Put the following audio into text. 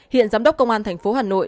hiện giám đốc công an tp hà nội